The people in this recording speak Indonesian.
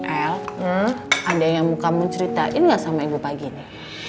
el ada yang mau kamu ceritain gak sama ibu pagi ini